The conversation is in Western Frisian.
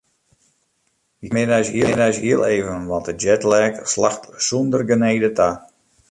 Wy knipperje middeis hiel even want de jetlag slacht sûnder genede ta.